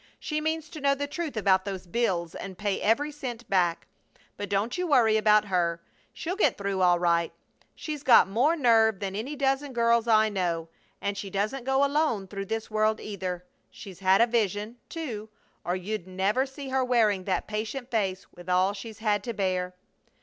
She means to know the truth about those bills and pay every cent back! But don't you worry about her. She'll get through all right. She's got more nerve than any dozen girls I know, and she doesn't go alone through this world, either. She's had a vision, too, or you'd never see her wearing that patient face with all she's had to bear!"